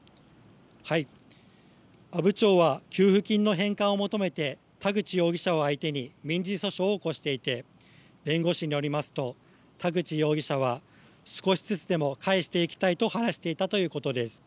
阿武町は、給付金の返還を求めて、田口容疑者を相手に民事訴訟を起こしていて、弁護士によりますと、田口容疑者は、少しずつでも返していきたいと話していたということです。